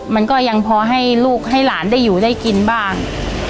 มันก็ยังพอให้ลูกให้หลานได้อยู่ได้กินบ้าง